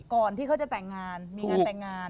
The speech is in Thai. ก่อนที่เขาจะแต่งงานมีงานแต่งงาน